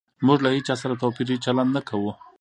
موږ له هيچا سره توپيري چلند نه کوو